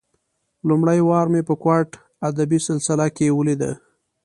لومړۍ وار مې په کوهاټ ادبي سلسله کې ولېده.